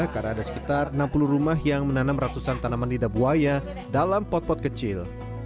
karena ada sekitar enam puluh rumah yang menanam ratusan tanaman lidah buaya dalam pot pot kecil